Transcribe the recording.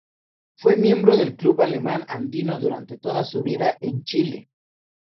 Fue miembro del Club Alemán Andino durante toda su vida en Chile.